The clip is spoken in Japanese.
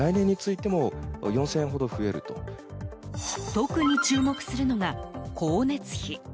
特に注目するのが、光熱費。